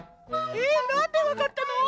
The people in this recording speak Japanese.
えなんでわかったの？